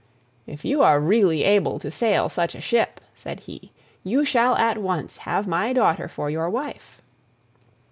"If you are really able to sail such a ship," said he, "you shall at once have my daughter for your wife."